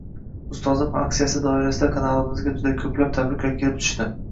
Ustozim aksiyasi doirasida kanalimizga juda koʻplab tabriklar kelib tushdi.